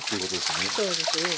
そうですね。